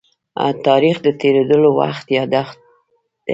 تاریخ د تېرېدلو وخت يادښت دی.